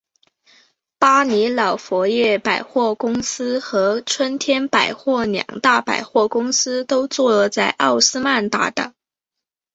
巴黎老佛爷百货公司和春天百货两大百货公司都坐落在奥斯曼大道。